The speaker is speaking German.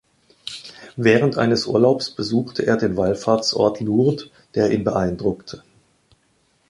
Während eines Urlaubs besuchte er den Wallfahrtsort Lourdes, der ihn beeindruckte.